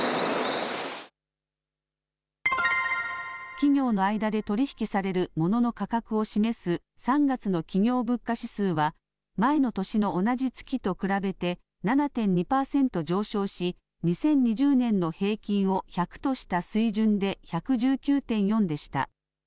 企業の間で取り引きされるモノの価格を示す３月の企業物価指数は前の年の同じ月と比べて７．２％上昇し２０２０年の平均を１００とした水準で１１９．４でした。